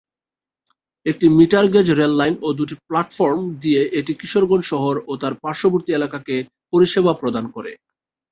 একটি metre gauge rail line ও দুটি প্লাটফর্ম দিয়ে এটি কিশোরগঞ্জ শহর ও তার পার্শ্ববর্তী এলাকাকে পরিসেবা প্রদান করে।